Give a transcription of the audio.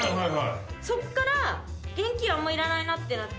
そっから現金あんまいらないなってなって。